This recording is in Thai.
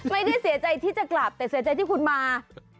ไม่ได้เสียใจที่จะกลับแต่เสียใจที่คุณมา